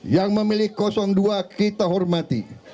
yang memiliki kosong dua kita hormati